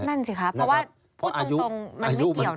นั่นสิครับเพราะว่าพูดตรงมันไม่เกี่ยวนะ